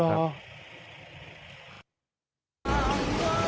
อ๋อเหรอ